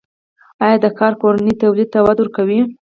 آیا دا کار کورني تولید ته وده ورکوي؟